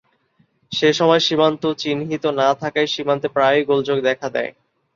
সে সময় সীমান্ত চিহিূত না থাকায় সীমান্তে প্রায়ই গোলযোগ দেখা দেয়।